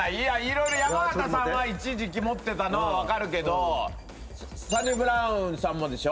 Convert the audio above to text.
色々山縣さんは一時期持ってたのは分かるけどサニブラウンさんもでしょ？